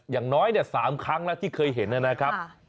อย่างน้อยเนี่ย๓ครั้งแล้วที่เคยเห็นเนี่ยนะครับ